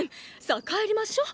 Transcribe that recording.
さあ帰りましょう！